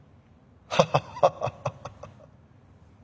ハハハハ。